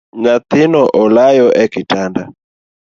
Nyathino olayo e kitanda.